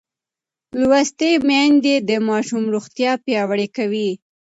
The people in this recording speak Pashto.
لوستې میندې د ماشوم روغتیا پیاوړې کوي.